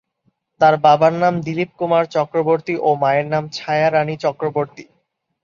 তার বাবার নাম দিলীপ কুমার চক্রবর্তী ও মায়ের নাম ছায়া রানী চক্রবর্তী।